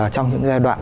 trong những giai đoạn